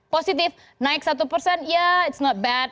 positif naik satu persen ya it's not bad